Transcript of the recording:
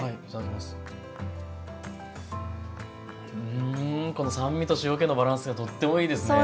うんこの酸味と塩けのバランスがとってもいいですね。